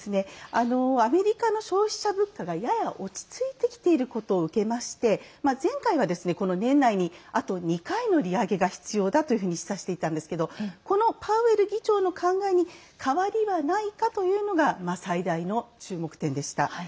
アメリカの消費者物価がやや落ち着いてきていることを受けまして前回、年内にあと２回の利上げが必要だと示唆していたんですがパウエル議長の考えに変わりはないかというのが最大の注目点でした。